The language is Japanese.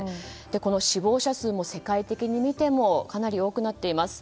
この死亡者数も世界的に見てもかなり多くなっています。